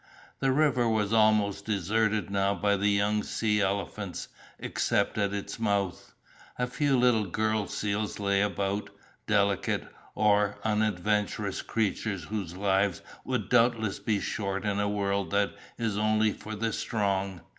The river was almost deserted now by the young sea elephants, except at its mouth. A few little girl seals lay about, delicate or unadventurous creatures whose lives would doubtless be short in a world that is only for the strong.